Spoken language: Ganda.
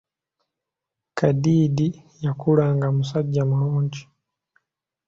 Kadiidi yakula nga musajja mulungi.